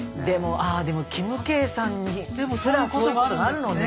ああでもキムケイさんすらそういうことがあるのね。